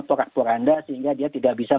porak poranda sehingga dia tidak bisa